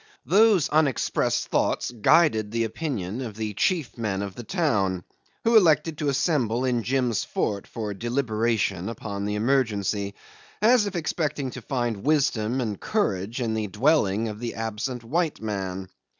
Those unexpressed thoughts guided the opinions of the chief men of the town, who elected to assemble in Jim's fort for deliberation upon the emergency, as if expecting to find wisdom and courage in the dwelling of the absent white man.